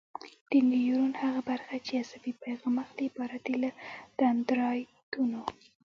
د نیورون هغه برخه چې عصبي پیغام اخلي عبارت دی له دندرایتونو.